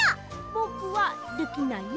ぼくはできないよ。